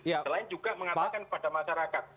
selain juga mengatakan kepada masyarakat